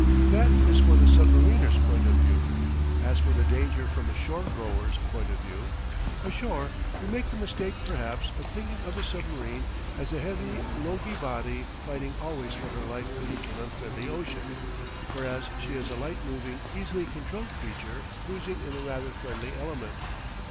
That is for the submariner's point of view. As for the danger from a shore goer's point of view: Ashore we make the mistake, perhaps, of thinking of a submarine as a heavy, logy body fighting always for her life beneath an unfriendly ocean; whereas she is a light moving easily controlled creature cruising in a rather friendly element.